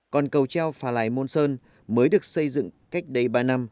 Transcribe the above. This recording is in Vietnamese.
còn cầu treo phà lại môn sơn mới được xây dựng cách đây ba năm